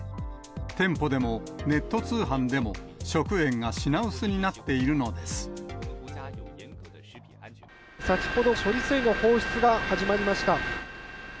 店舗でもネット通販でも、先ほど、処理水の放出が始まりました。